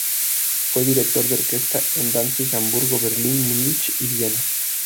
Fue director de orquesta en Danzig, Hamburgo, Berlín, Múnich y Viena.